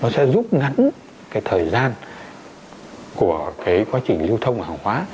sẽ giúp ngắn thời gian của quá trình lưu thông hàng hóa